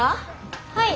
はい。